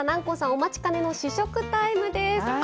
お待ちかねの試食タイムです。